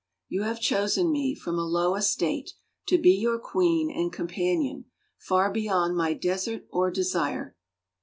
You have chosen me, from a low estate, to be your queen and com panion, far beyond my desert or desire.